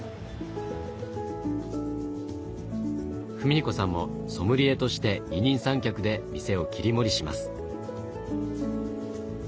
史彦さんもソムリエとして二人三脚で店を切り盛りします。